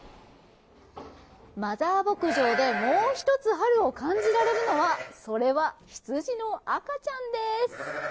マザー牧場でもう１つ、春を感じられるのはヒツジの赤ちゃんです。